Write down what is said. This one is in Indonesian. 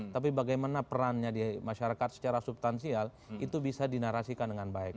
tapi bagaimana perannya di masyarakat secara subtansial itu bisa dinarasikan dengan baik